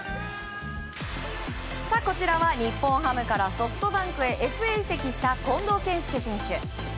こちらは、日本ハムからソフトバンクへＦＡ移籍した近藤健介選手。